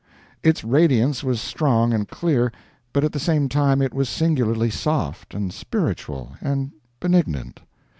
Its radiance was strong and clear, but at the same time it was singularly soft, and spiritual, and benignant.